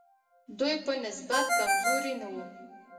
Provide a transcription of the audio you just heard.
دوی په نسبت کمزوري نه وو.